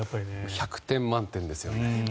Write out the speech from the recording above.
１００点満点ですよね。